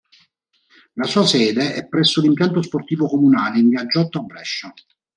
La sua sede è presso l'impianto sportivo comunale in Via Giotto a Brescia.